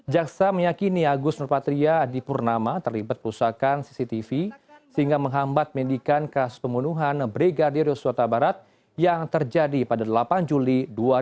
jaksa meyakini agus nurpatria adipurnama terlibat perusakan cctv sehingga menghambat medikan kasus pembunuhan brigadir yosua tabarat yang terjadi pada delapan juli dua ribu dua puluh